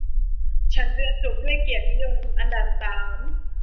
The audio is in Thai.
ฉันเรียนจบด้วยเกียรตินิยมอันดับสาม